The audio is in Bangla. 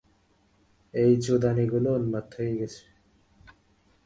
এই চোদানিগুলো উম্মাদ হয়ে গেছে!